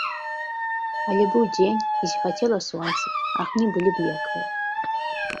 Але быў дзень, і зіхацела сонца, агні былі блеклыя.